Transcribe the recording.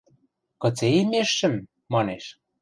– Кыце имешшӹм?! – манеш.